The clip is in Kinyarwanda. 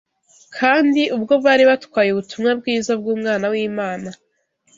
Kandi ubwo bari batwaye ubutumwa bwiza bw’Umwana w’Imana